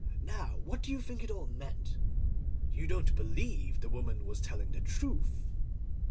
Now, what do you think it all meant? You don't believe the woman was telling the truth?